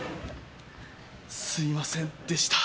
すみませんでした。